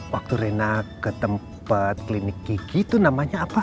waktu rena ke tempat klinik gigi itu namanya apa